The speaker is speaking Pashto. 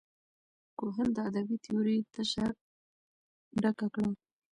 کوهن د ادبي تیورۍ تشه ډکه کړه.